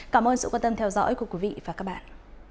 cảm ơn sự quan tâm theo dõi của quý vị và các bạn